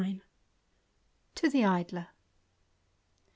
To THE Idler.